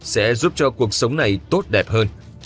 sẽ giúp cho cuộc sống này tốt đẹp hơn